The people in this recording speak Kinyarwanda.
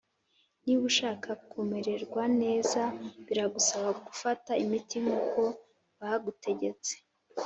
Niba ushaka kumererwa neza biragusaba gufata imiti nkuko bagutegetse